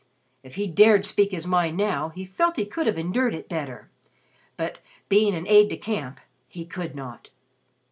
If he dared speak his mind now, he felt he could have endured it better. But being an aide de camp he could not.